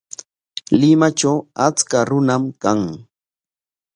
Limatraw achka runam kan.